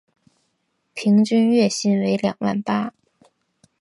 平均月薪为两万八